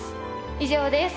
以上です。